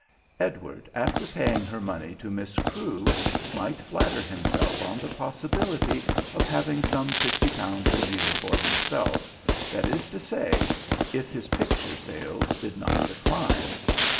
Edward, after paying her money to Miss Crewe, might flatter himself on the possibility of having some fifty pounds a year for himself, that is to say, if his picture sales did not decline.